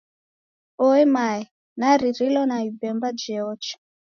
Oe mao, naririlo ni ibemba jeocha!